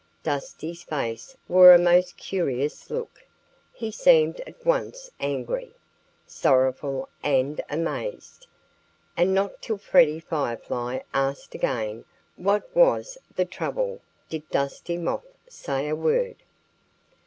Dusty's face wore a most curious look; he seemed at once angry, sorrowful and amazed. And not till Freddie Firefly asked again what was the trouble did Dusty Moth say a word.